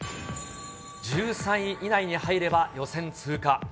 １３位以内に入れば予選通過。